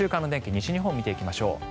西日本を見ていきましょう。